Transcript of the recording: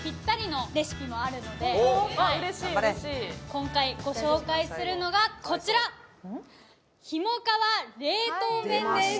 今回ご紹介するのがこちら、ひもかわ冷凍麺です。